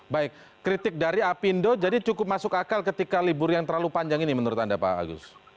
baik kritik dari apindo jadi cukup masuk akal ketika libur yang terlalu panjang ini menurut anda pak agus